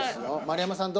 丸山さん。